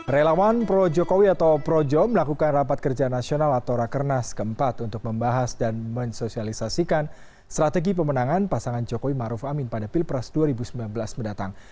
relawan pro jokowi atau projo melakukan rapat kerja nasional atau rakernas keempat untuk membahas dan mensosialisasikan strategi pemenangan pasangan jokowi maruf amin pada pilpres dua ribu sembilan belas mendatang